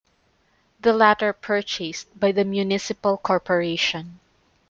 The latter purchased by the Municipal Corporation.